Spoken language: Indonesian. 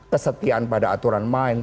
kesetiaan pada aturan main